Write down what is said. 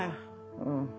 うん。